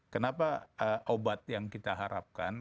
kenapa obat yang kita harapkan